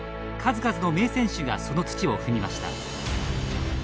数々の名選手がその土を踏みました。